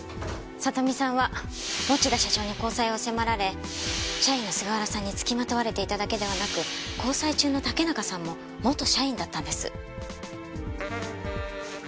里美さんは持田社長に交際を迫られ社員の菅原さんに付きまとわれていただけではなく交際中の竹中さんも元社員だったんです。